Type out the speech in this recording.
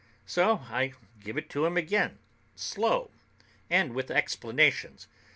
So I give it to him again, slow, and with explanations.